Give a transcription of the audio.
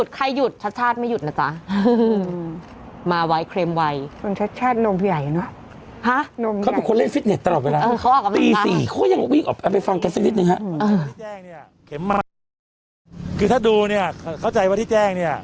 คือถ้าดูเนี่ยเข้าใจว่าที่แจ้งเนี่ย